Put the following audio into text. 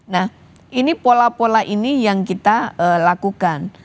nah ini pola pola ini yang kita lakukan